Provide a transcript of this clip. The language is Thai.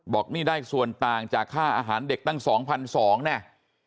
บอกนี่ได้ส่วนต่างจากค่าอาหารเด็กตั้ง๒๒๐๐แน่